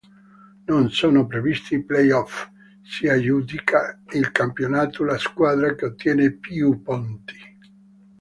Non sono previsti playoff, si aggiudica il campionato la squadra che ottiene più punti.